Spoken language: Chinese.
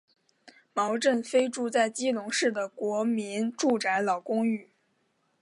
毛振飞住在基隆市的国民住宅老公寓。